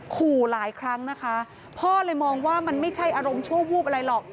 ขู่หลายครั้งนะคะพ่อเลยมองว่ามันไม่ใช่อารมณ์ชั่ววูบอะไรหรอก